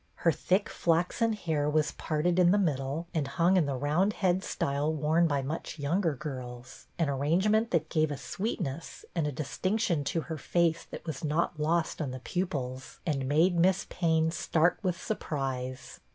Her thick flaxen hair was parted in the middle and hung in the roundhead style worn by much younger girls, an arrangement that gave a sweetness and a distinction to her face that was not lost on the pupils and made Miss Payne start with surprise.